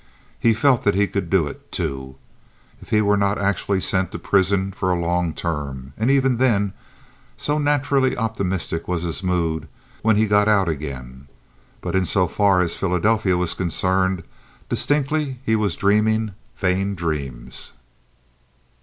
He felt that he could do it, too, if he were not actually sent to prison for a long term; and even then, so naturally optimistic was his mood, when he got out again. But, in so far as Philadelphia was concerned, distinctly he was dreaming vain dreams.